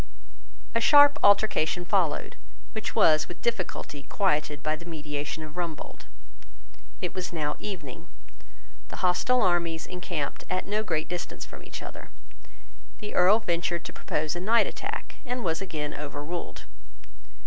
A sharp altercation followed, which was with difficulty quieted by the mediation of Rumbold. It was now evening. The hostile armies encamped at no great distance from each other. The Earl ventured to propose a night attack, and was again overruled.